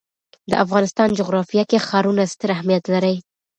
د افغانستان جغرافیه کې ښارونه ستر اهمیت لري.